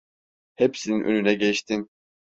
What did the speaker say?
Hepsinin önüne geçtin…